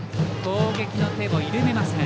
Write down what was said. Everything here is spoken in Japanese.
攻撃の手を緩めません。